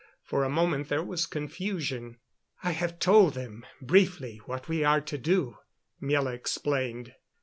For a moment there was confusion. "I have told them briefly what we are to do," Miela explained.